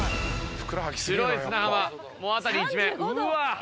白い砂浜辺り一面うわ。